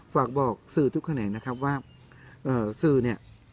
ฝากบอกสื่อทุกคนเนี้ยนะครับว่าเอ่อสื่อเนี้ย